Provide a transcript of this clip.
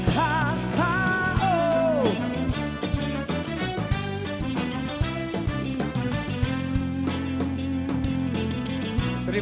selamat kembali turun sajagirl